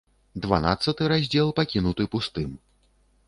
Дванаццаты раздзел пакінуты пустым.